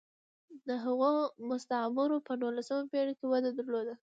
د هغو مستعمرو په نولسمه پېړۍ کې وده درلوده.